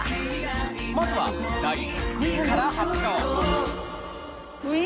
まずは第６位から発表。